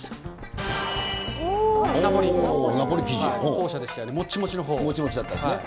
後者でしたよね、もちもちのもちもちだったですね。